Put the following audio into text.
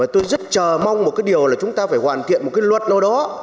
tôi rất chờ mong một cái điều là chúng ta phải hoàn thiện một cái luật nào đó